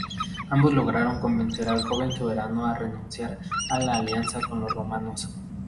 Ambos lograron convencer al joven soberano a renunciar a la alianza con los romanos.